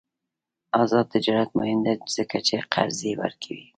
آزاد تجارت مهم دی ځکه چې قرضې ورکوي.